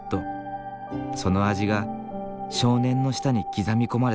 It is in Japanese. その味が少年の舌に刻み込まれた。